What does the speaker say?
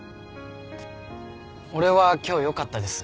俺は今日よかったです。